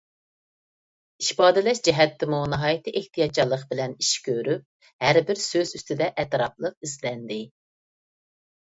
ئىپادىلەش جەھەتتىمۇ ناھايىتى ئېھتىياتچانلىق بىلەن ئىش كۆرۈپ، ھەربىر سۆز ئۈستىدە ئەتراپلىق ئىزدەندى.